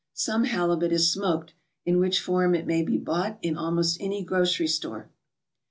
Some halibut is smoked, in which form it may be bought in almost any grocery store.